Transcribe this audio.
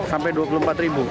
sampai dua puluh empat ribu